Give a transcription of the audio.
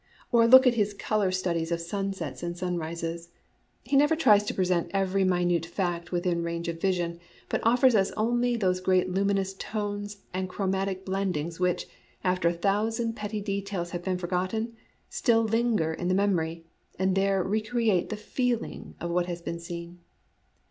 Or look at his color studies of sunsets and sunrises : he never tries to present every mi nute fact within range of vision, but offers us only those great luminous tones and chro matic blendings which, after a thousand petty details have been forgotten, still linger in the memory, and there recreate the feeling of what has been seen.